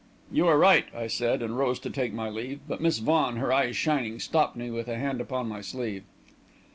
"You are right," I said, and rose to take my leave, but Miss Vaughan, her eyes shining, stopped me with a hand upon the sleeve.